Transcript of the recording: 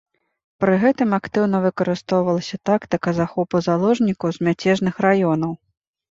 Пры гэтым актыўна выкарыстоўвалася тактыка захопу заложнікаў з мяцежных раёнаў.